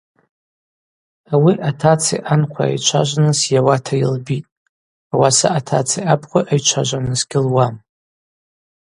Ауи атаци анхъви айчважварныс йауата йылбитӏ, ауаса атаци абхъви айчважварныс гьылуам.